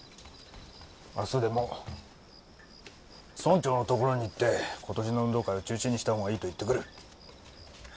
明日でも村長の所に行って今年の運動会を中止にした方がいいと言ってくる。